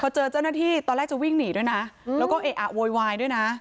พอเจอเจ้าหน้าที่ตอนแรกจะวิ่งหนีด้วยนะแล้วก็เอะอะโวยวายด้วยนะ